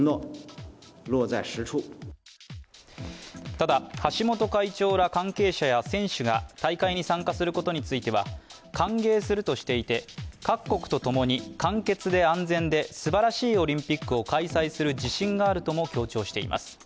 ただ、橋本会長ら関係者や選手が大会に参加することについては歓迎するとしていて各国とともに簡潔で安全ですばらしいオリンピックを開催する自信があるとも強調しています。